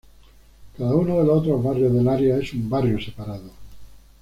Cada uno de los otros barrios del área es un barrio separado.